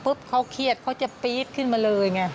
เขาเครียดเขาจะปี๊ดขึ้นมาเลยไง